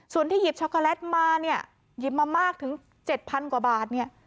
ส่วนที่หยิบช็อกโกแลตมาเนี่ยหยิบมามากถึง๗๐๐กว่าบาทเนี่ย